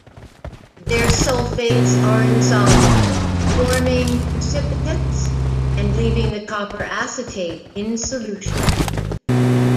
Their sulfates are insoluble, forming precipitates and leaving the copper acetate in solution.